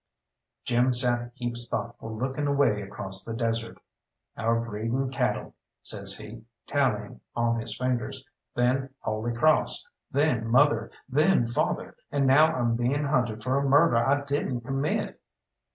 Jim sat heaps thoughtful looking away across the desert. "Our breeding cattle," says he, tallying on his fingers, "then Holy Cross, then mother, then father, and now I'm being hunted for a murder I didn't commit."